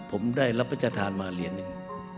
ผมได้รับพระชธานมาเหรียญหนึ่ง